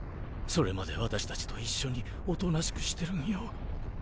それまで私たちと一緒におとなしくしてるんよ？